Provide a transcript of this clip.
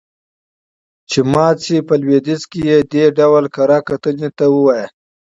چې مات شي. په لويديځ کې يې دې ډول کره کتنې ته ووايه.